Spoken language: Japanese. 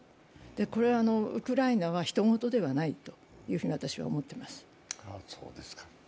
これはウクライナはひと事ではないというふうに私は思っています。